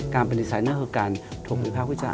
การเป็นดีไซน์เนอร์คือการถูกวิภาควิจารณ์